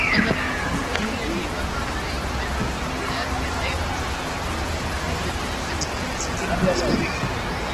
wanafahamu Chameleone ni baba anayeipenda familia yake anayewajibika kuiweka katika mazingira mazuri